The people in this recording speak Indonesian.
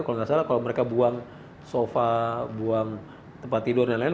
kalau nggak salah kalau mereka buang sofa buang tempat tidur dan lain lain